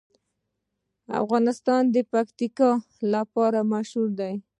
افغانستان د پکتیکا لپاره مشهور دی.